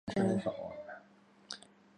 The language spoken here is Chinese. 则在同月时被宣布将会担任女主角。